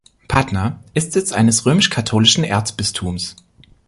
Patna ist Sitz eines römisch-katholischen Erzbistums.